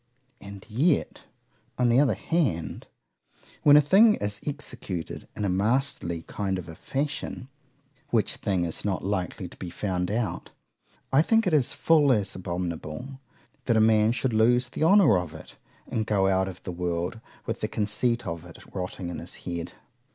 And yet, on the other hand, when a thing is executed in a masterly kind of a fashion, which thing is not likely to be found out;—I think it is full as abominable, that a man should lose the honour of it, and go out of the world with the conceit of it rotting in his head.